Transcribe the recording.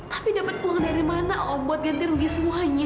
tapi dapat uang dari mana om bot ganti rugi semuanya